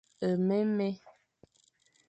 Nmémé.